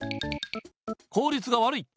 効率が悪い。